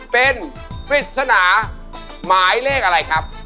เป็นปริศนาหมายเลขอะไรครับ